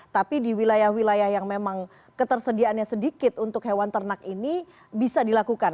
tapi di wilayah wilayah yang memang ketersediaannya sedikit untuk hewan ternak ini bisa dilakukan